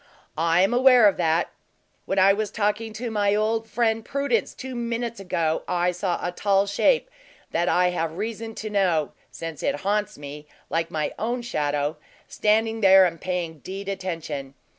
"I am aware of that. When I was talking to my old friend, Prudence, two minutes ago, I saw a tall shape that I have reason to know, since it haunts me, like my own shadow, standing there and paying deed attention.